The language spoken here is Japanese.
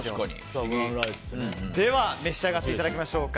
では召し上がっていただきましょうか。